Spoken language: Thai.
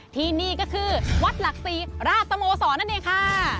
ที่นี่ก็คือวัดหลักศรีราชสโมสรนั่นเองค่ะ